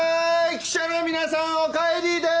記者の皆さんお帰りです！